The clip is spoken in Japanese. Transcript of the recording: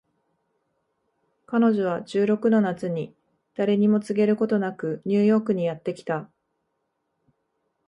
彼女は十六の夏に誰にも告げることなくニューヨークにやって来た